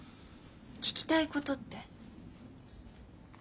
聞きたいことって？